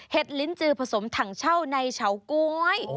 ลิ้นจือผสมถังเช่าในเฉาก๊วย